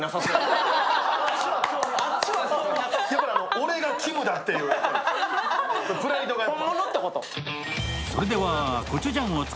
俺がキムだっていうプライドがある。